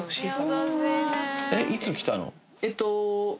いつ来たの？